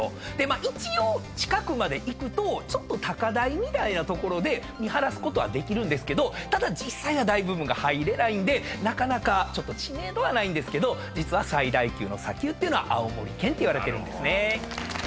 一応近くまで行くとちょっと高台みたいな所で見晴らすことはできるんですけど実際は大部分が入れないんでなかなか知名度はないんですけど実は最大級の砂丘っていうのは青森県っていわれてるんですね。